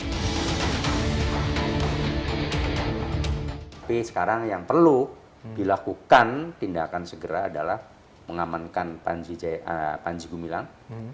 tapi sekarang yang perlu dilakukan tindakan segera adalah mengamankan panji gumilang